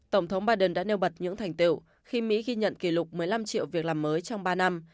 tổng thống biden đã nêu bật những thành tiệu khi mỹ ghi nhận kỷ lục một mươi năm triệu việc làm mới trong ba năm